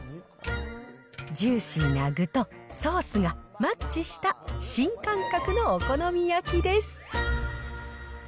ジューシーな具と、ソースがマッチした新感覚のお好み焼きです。